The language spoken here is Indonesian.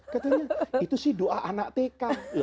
katanya itu sih doa anak tk